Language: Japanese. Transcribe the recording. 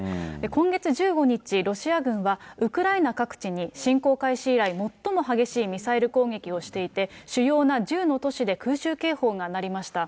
今月１５日、ロシア軍はウクライナ各地に侵攻開始以来、最も激しいミサイル攻撃をしていて、主要な１０の都市で空襲警報が鳴りました。